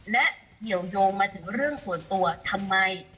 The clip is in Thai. และเกี่ยวยงมาถึงเรื่องส่วนตัวทำไม